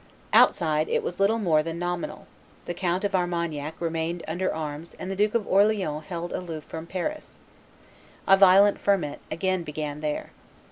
Outside, it was little more than nominal; the Count of Armagnac remained under arms and the Duke of Orleans held aloof from Paris. A violent ferment again began there.